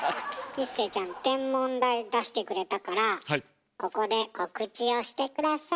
一生ちゃん「天文台」出してくれたからここで告知をして下さい。